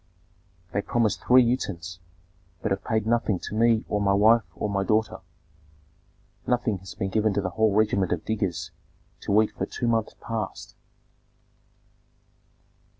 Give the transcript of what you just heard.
"They promised three utens, but have paid nothing to me or my wife or my daughter. Nothing has been given to the whole regiment of diggers to eat for two months past."